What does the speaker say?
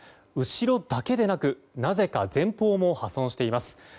後ろだけでなく、なぜか前方も破損しています。